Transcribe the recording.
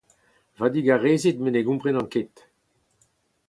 Ma digarezit met ne gomprenan ket.